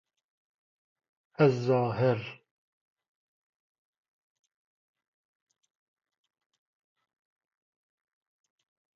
از ظاهر